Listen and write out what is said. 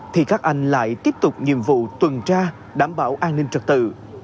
thì các anh lại tiếp tục nhiệm vụ tuần tra đảm bảo an ninh trật tự